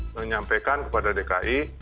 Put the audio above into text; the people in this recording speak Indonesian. menyampaikan kepada dki